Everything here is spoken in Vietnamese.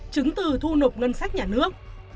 chứng từ thu nộp ngân sách nhà nước